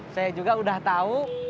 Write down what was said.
saya juga udah tau